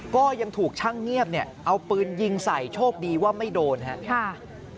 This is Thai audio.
ก็ยังถูกช่างเงียบเนี่ยเอาปืนยิงใส่โชคดีว่าไม่โดนครับ